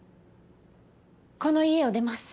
この家を出ます。